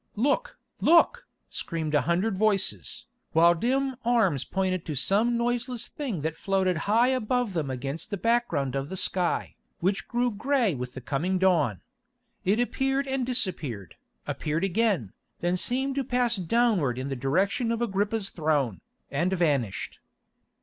"Look, look!" screamed a hundred voices, while dim arms pointed to some noiseless thing that floated high above them against the background of the sky, which grew grey with the coming dawn. It appeared and disappeared, appeared again, then seemed to pass downward in the direction of Agrippa's throne, and vanished.